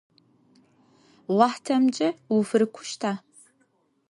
Уахътэмкӏэ уфырикъущта?